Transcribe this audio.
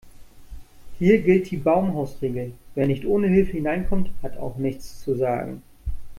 Hier gilt die Baumhausregel: Wer nicht ohne Hilfe hineinkommt, hat auch nichts zu sagen.